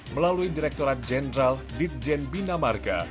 melalui direkturat jenderal ditjen binamarga